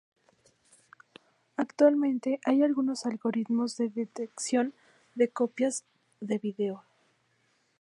Actualmente hay algunos algoritmos de detección de copias de video.